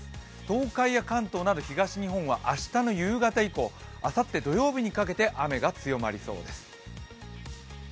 東海や関東など東日本は明日の夕方以降あさって土曜日にかけて雨が強まりそうです。